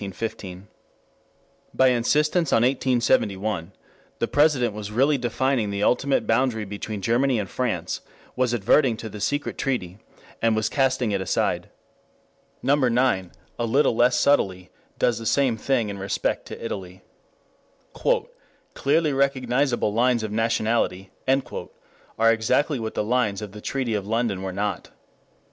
By insistence on "1871" the President was really defining the ultimate boundary between Germany and France, was adverting to the secret treaty, and was casting it aside. Number nine, a little less subtly, does the same thing in respect to Italy. "Clearly recognizable lines of nationality" are exactly what the lines of the Treaty of London were not.